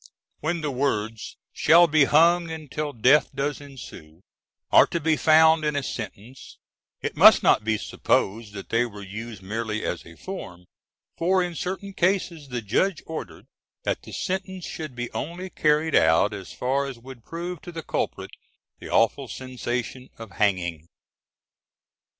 When the words "shall be hung until death doth ensue" are to be found in a sentence, it must not be supposed that they were used merely as a form, for in certain cases the judge ordered that the sentence should be only carried out as far as would prove to the culprit the awful sensation of hanging.